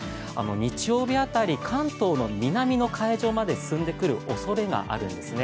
日曜日辺り、関東の南の海上まで進んでくるおそれがあるんですね。